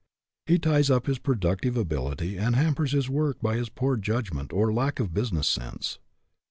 He ties Up his productive ability and hampers his work by his poor judgment or lack of business sense.